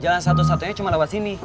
jalan satu satunya cuma lewat sini